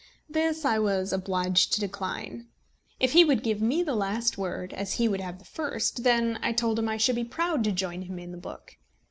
This I was obliged to decline. If he would give me the last word, as he would have the first, then, I told him, I should be proud to join him in the book.